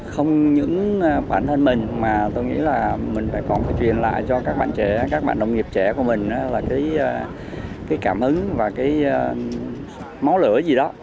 không những bản thân mình mà tôi nghĩ là mình phải còn phải truyền lại cho các bạn trẻ các bạn đồng nghiệp trẻ của mình là cái cảm hứng và cái máu lửa gì đó